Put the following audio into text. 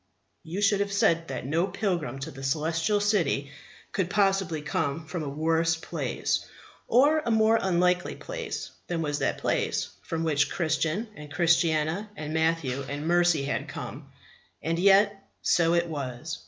You would have said that no pilgrim to the Celestial City could possibly have come from a worse place, or a more unlikely place, than was that place from which Christian and Christiana and Matthew and Mercy had come. And yet so it was.